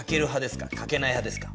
かけない派ですか？